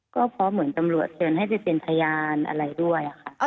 ก็เพราะเหมือนตำรวจเชิญให้ไปเป็นพยานอะไรด้วยค่ะ